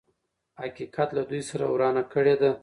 حقيقت له دوی سره ورانه کړې ده.